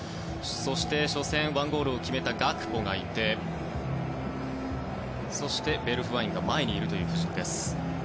そして初戦１ゴールを決めたガクポがいてそして、ベルフワインが前にいる布陣です。